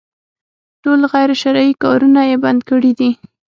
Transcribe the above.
ټول غير شرعي کارونه يې بند کړي دي.